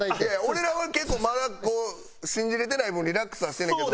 俺らは結構まだ信じられてない分リラックスはしてんねんけど。